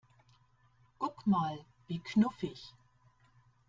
Guck mal, wie knuffig!